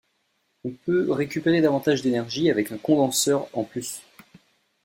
On peut récupérer davantage d’énergie avec un condenseur en plus.